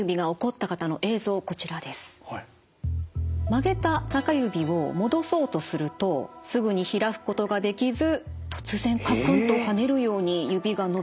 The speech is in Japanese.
曲げた中指を戻そうとするとすぐに開くことができず突然かくんと跳ねるように指が伸びます。